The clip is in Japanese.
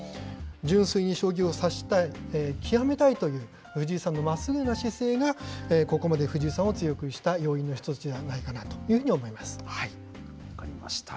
純粋に将棋を指したい、きわめたいという、藤井さんのまっすぐな姿勢が、ここまで藤井さんを強くした要因の一つではないかなとい分かりました。